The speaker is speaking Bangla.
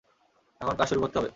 এখন কাজ শুরু করতে হবে।